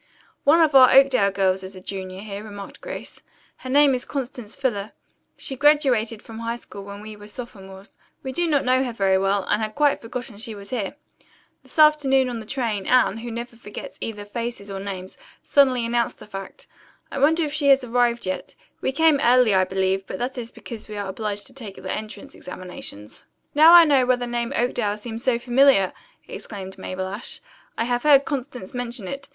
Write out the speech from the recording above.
"One of our Oakdale girls is a junior here," remarked Grace. "Her name is Constance Fuller. She graduated from high school when we were sophomores. We do not know her very well, and had quite forgotten she was here. This afternoon on the train, Anne, who never forgets either faces or names, suddenly announced the fact. I wonder if she has arrived yet. We came early, I believe, but that is because we are obliged to take the entrance examinations." "Now I know why the name, Oakdale, seemed so familiar!" exclaimed Mabel Ashe. "I have heard Constance mention it.